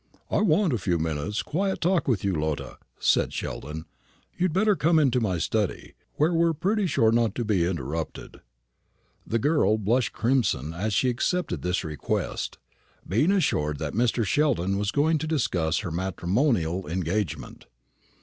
"I wan't a few minutes' quiet talk with you, Lotta," said Mr. Sheldon. "You'd better come into my study, where we're pretty sure not to be interrupted." The girl blushed crimson as she acceded to this request, being assured that Mr. Sheldon was going to discuss her matrimonial engagement.